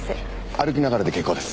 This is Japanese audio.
歩きながらで結構です。